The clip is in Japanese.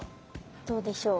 どうでしょう。